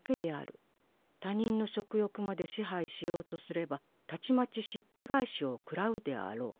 他人の食欲まで支配しようとすればたちまちしっぺ返しを食らうであろう。